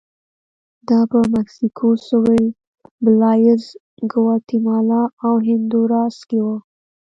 دا په مکسیکو سوېل، بلایز، ګواتیمالا او هندوراس کې و